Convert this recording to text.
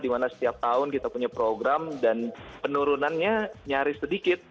dimana setiap tahun kita punya program dan penurunannya nyaris sedikit